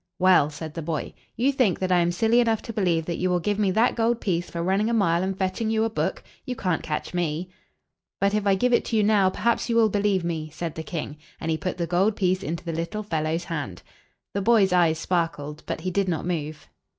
"Well," said the boy, "you think that I am silly enough to believe that you will give me that gold piece for running a mile, and fetch ing you a book. You can't catch me." "But if I give it to you now, perhaps you will believe me," said the king; and he put the gold piece into the little fellow's hand. The boy's eyes spar kled; but he did not move.